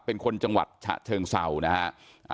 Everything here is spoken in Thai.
เป็นคนจังหวัดฉะเชิงเศร้านะฮะ